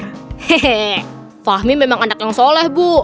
hehehe fahmi memang anak yang soleh bu